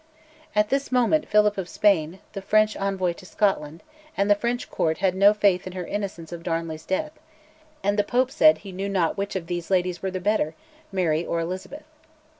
At this moment Philip of Spain, the French envoy to Scotland, and the French Court had no faith in her innocence of Darnley's death; and the Pope said "he knew not which of these ladies were the better" Mary or Elizabeth.